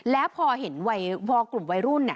และพอเห็นวัยพวกกลุ่มวัยรุ่น